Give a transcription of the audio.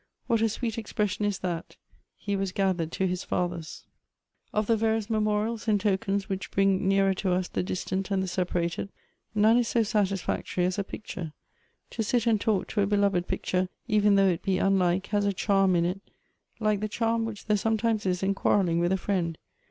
"What a sweet expression is that —' He was gathered to his fathers!'" " Of the various memorials and tokens which bring nearer to us the distant and the separated — none is so satisfactory as a picture. To sit and talk to a belov^ picture, even though it be unlike, has a charm in it, like the charm which there sometimes is in quarrelling with a friend.